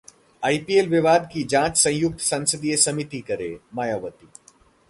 IPL विवाद की जांच संयुक्त संसदीय समिति करे: मायावती